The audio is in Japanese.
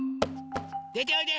でておいで！